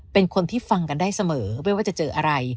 เป็นคนที่ฟังกันได้เสมอไม่ว่าจะเจออะไร